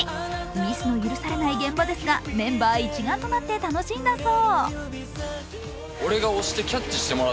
ミスの許されない現場ですがメンバー一丸となって楽しんだそう。